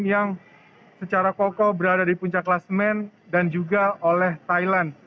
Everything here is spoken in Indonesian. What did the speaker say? yang secara kokoh berada di puncak kelasmen dan juga oleh thailand